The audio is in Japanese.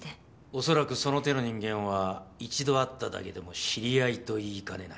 おそらくその手の人間は一度会っただけでも知り合いと言いかねない。